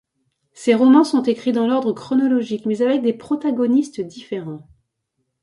Ces romans sont écrits dans l'ordre chronologique, mais avec des protagonistes différents.